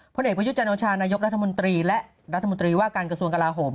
เอกประยุทธ์จันโอชานายกรัฐมนตรีและรัฐมนตรีว่าการกระทรวงกลาโหม